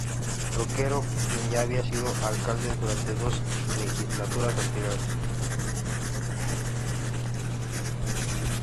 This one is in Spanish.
Roquero, quien ya había sido alcalde durante dos legislaturas anteriores.